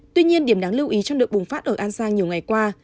tuy nhiên điểm đáng lưu ý trong đợt bùng phát ở an giang nhiều ngày qua